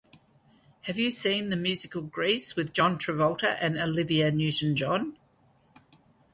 Have you seen the musical "Grease" with John Travolta and Olivia Newton-John?